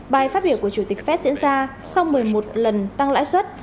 bài phát biểu của chủ tịch fed diễn ra sau một mươi một lần tăng lãi suất